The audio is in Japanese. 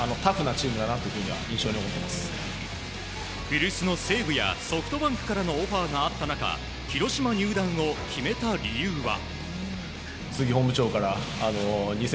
古巣の西武やソフトバンクからのオファーがあった中広島入団を決めた理由は。